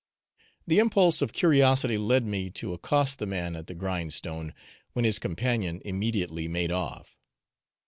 The impulse of curiosity led me to accost the man at the grindstone, when his companion immediately made off.